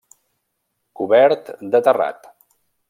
Cobert de terrat.